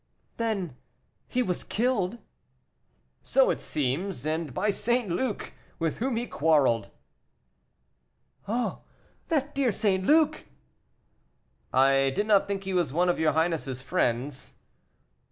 "Then, he was killed?" "So it seems; and by St. Luc, with whom he quarreled." "Oh, that dear St. Luc!" "I did not think he was one of your highness's friends."